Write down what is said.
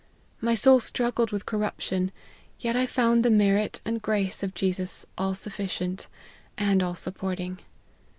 My soul struggled with corruption, yet I found the merit and grace of Jesus all sufficient, and all supporting.